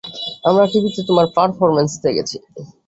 আমরা টিভিতে তোমার পারফরমেন্স দেখেছি।